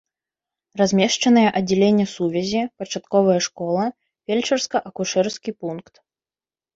Размешчаныя аддзяленне сувязі, пачатковая школа, фельчарска-акушэрскі пункт.